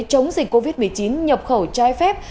chống dịch covid một mươi chín nhập khẩu trái phép